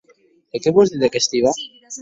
E qué vos didec Stiva?